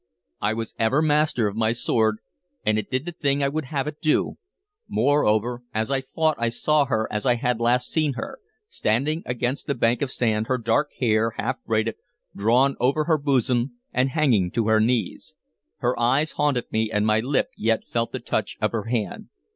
I was ever master of my sword, and it did the thing I would have it do. Moreover, as I fought I saw her as I had last seen her, standing against the bank of sand, her dark hair, half braided, drawn over her bosom and hanging to her knees. Her eyes haunted me, and my lips yet felt the touch of her hand.